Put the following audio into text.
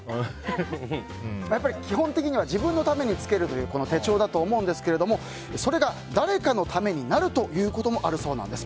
基本的には自分のためにつけるというこの手帳だと思うんですがそれが誰かのためになるということもあるそうなんです。